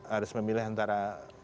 harus memilih antara